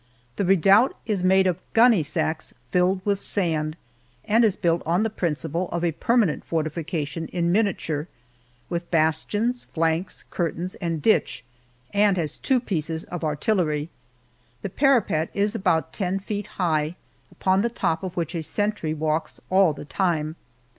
The redoubt is made of gunny sacks filled with sand, and is built on the principle of a permanent fortification in miniature, with bastions, flanks, curtains, and ditch, and has two pieces of artillery. The parapet is about ten feet high, upon the top of which a sentry walks all the time.